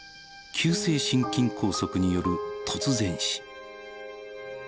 急性心筋梗塞による突然死。